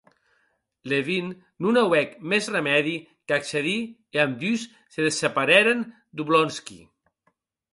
Levin non auec mès remèdi qu'accedir e ambdús se desseparèren d'Oblonsky.